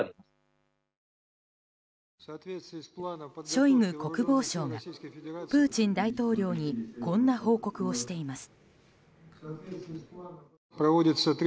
ショイグ国防相がプーチン大統領にこんな報告をしています。